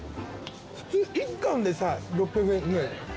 普通１貫でさ６００円ぐらいじゃない。